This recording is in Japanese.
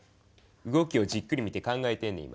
動きをじっくり見て考えてんねん今。